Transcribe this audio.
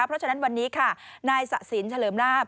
เพราะฉะนั้นวันนี้ค่ะนายสะสินเฉลิมลาบ